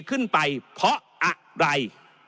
ขึ้นไปเพราะอะไร